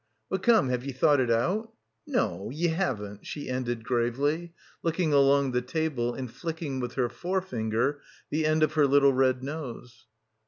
But come, have ye thought it out? No, ye haven't," she ended gravely, looking along the table and flicking with her forefinger the end of her little red nose.